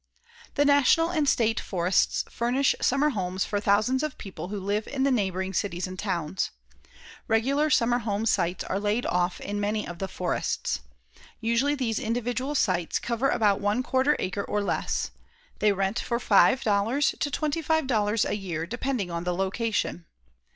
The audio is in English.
The National and State Forests furnish summer homes for thousands of people who live in the neighboring cities and towns. Regular summer home sites are laid off in many of the forests. Usually these individual sites cover about one quarter acre or less. They rent for $5 to $25 a year, depending on the location.